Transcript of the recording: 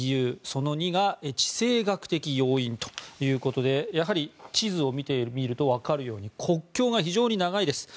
その２が地政学的要因ということでやはり地図を見てみるとわかるように国境が非常に長いです。